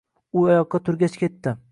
U oyoqqa turgach ketdi.